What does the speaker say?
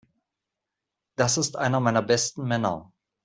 Das ist einer meiner besten Männer.